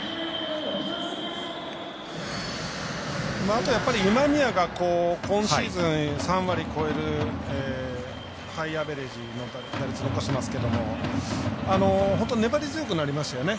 あとは、やっぱり今宮が今シーズン３割超えるハイアベレージの打率残してますけど本当、粘り強くなりましたよね。